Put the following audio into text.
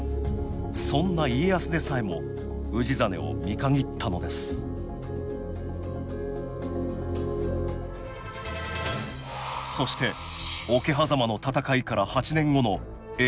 そんな家康でさえも氏真を見限ったのですそして桶狭間の戦いから８年後の永禄１１年。